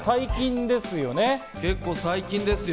結構最近ですよ。